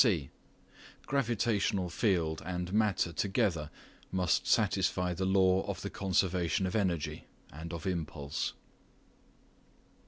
(c) Gravitational field and matter together must satisfy the law of the conservation of energy (and of impulse).